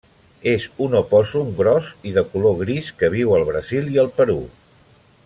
És un opòssum gros i de color gris que viu al Brasil i el Perú.